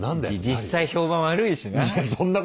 実際評判悪いしな。